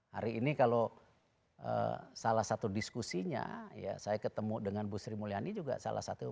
hari ini kalau salah satu diskusinya ya saya ketemu dengan bu sri mulyani juga salah satu